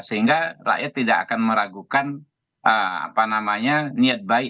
sehingga rakyat tidak akan meragukan niat baik